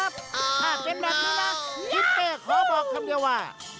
ถ้าเป็นแบบนี้นะทิศเป้ขอบอกคำเดียวว่า